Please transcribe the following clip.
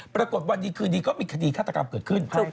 วันดีคืนดีก็มีคดีฆาตกรรมเกิดขึ้น